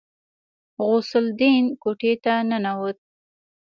غوث الدين کوټې ته ننوت.